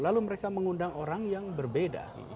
lalu mereka mengundang orang yang berbeda